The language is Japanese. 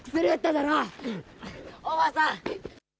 おばさん。